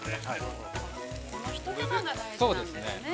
◆このひと手間が大事なんですね。